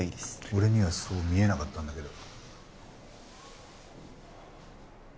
俺にはそう見えなかったんだけど。